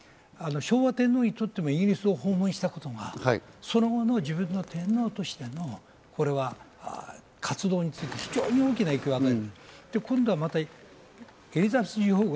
昭和天皇にとってもイギリスを訪問したことはその後の自分の天皇としての活動について非常に大きな影響があると。